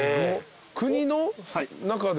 国の中で？